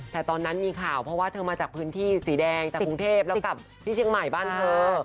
แต่ตอนนั้นมีข่าวเพราะว่าเธอมาจากพื้นที่สีแดงจากกรุงเทพแล้วกลับที่เชียงใหม่บ้านเธอ